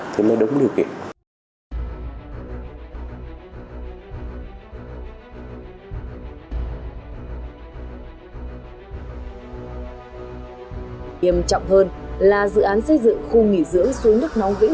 thì mới đúng điều kiện